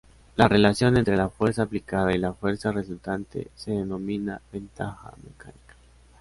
La relación entre la "fuerza aplicada" y la "fuerza resultante" se denomina "ventaja mecánica".